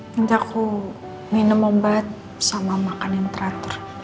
nanti aku minum obat sama makan yang teratur